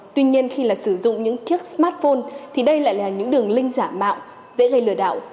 tuy nhiên khi là sử dụng những chiếc smartphone thì đây lại là những đường link giả mạo dễ gây lừa đảo